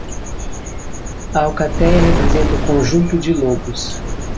A alcateia representa um conjunto de lobos